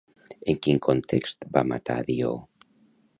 En quin context va matar Dió?